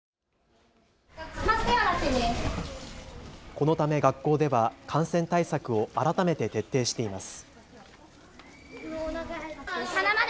このため学校では感染対策を改めて徹底しています。